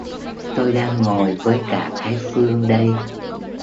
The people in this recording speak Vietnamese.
Tôi đang ngồi với cả cái phương đây